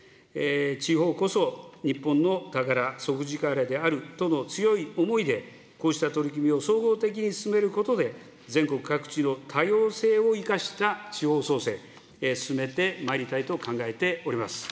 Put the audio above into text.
地方こそ日本の宝、底力であるとの強い思いで、こうした取り組みを総合的に進めることで、全国各地の多様性を生かした地方創生、進めてまいりたいと考えております。